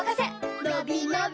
のびのび